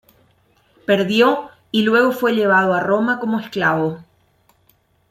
Perdió y luego fue llevado a Roma como esclavo.